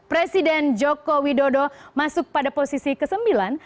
presiden joko widodo masuk pada posisi ke sembilan